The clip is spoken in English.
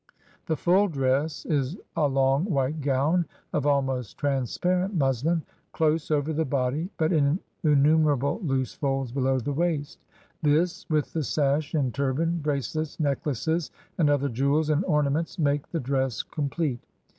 The full dress is a long white gown of almost trans parent muslin, close over the body, but in innumerable loose folds below the waist. This, with the sash and turban, bracelets, necklaces, and other jewels and orna ments, make the dress complete.